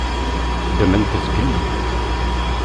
Ddmen-t zgelli.